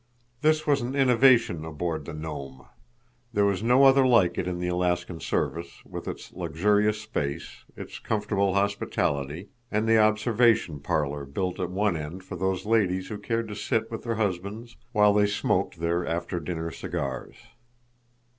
This was an innovation aboard the Nome. There was no other like it in the Alaskan service, with its luxurious space, its comfortable hospitality, and the observation parlor built at one end for those ladies who cared to sit with their husbands while they smoked their after dinner cigars.